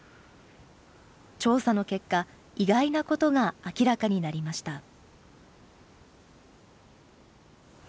調査の結果、意外なことが明らかになりました。